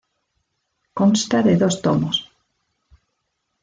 Consta de dos tomos.